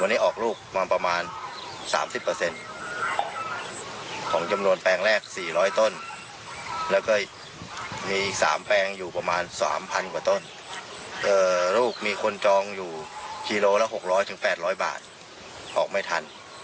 อีกวันต้นลูกมีคนจองอยู่คิโลละ๖๐๐๘๐๐บาทออกไม่ทัน